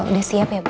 udah siap ya bu